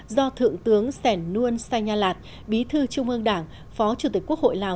do thượng tướng sẻn nguồn sai nha lạt bí thư trung ương đảng phó chủ tịch quốc hội lào